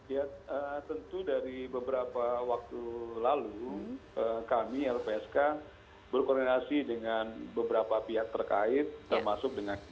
ya tentu dari beberapa waktu lalu kami lpsk berkoordinasi dengan beberapa pihak terkait termasuk dengan